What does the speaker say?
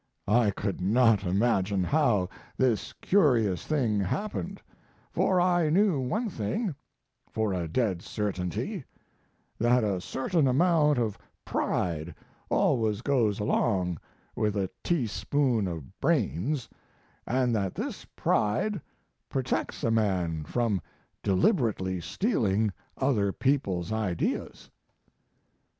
I could not imagine how this curious thing happened; for I knew one thing, for a dead certainty that a certain amount of pride always goes along with a teaspoonful of brains, and that this pride protects a man from deliberately stealing other people's ideas.